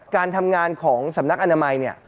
การทำงานของสำนักอนามัยเนี่ย